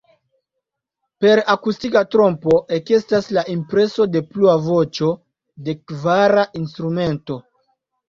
Per akustika trompo ekestas la impreso de plua voĉo, de kvara instrumento.